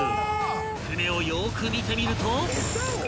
［船をよーく見てみると］